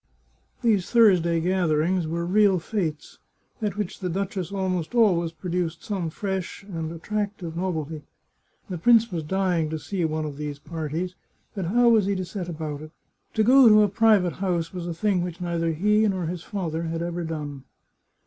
These Thursday gatherings were real fetes, at which the duchess almost always produced some fresh and attractive nov elty. The prince was dying to see one of these parties, but how was he to set about it? To go to a private house was a thing which neither he nor his father had ever done.